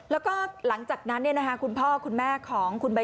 แล้วก็หลังจากนั้นคุณพ่อคุณแม่ของคุณใบ